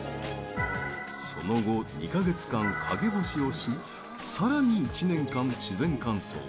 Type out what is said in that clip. その後、２か月間陰干しをしさらに１年間、自然乾燥。